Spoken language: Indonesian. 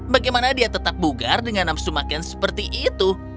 bagaimana dia tetap bugar dengan namsumaken seperti itu